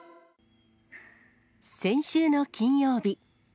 先週の金曜日。